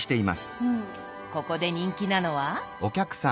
ここで人気なのは？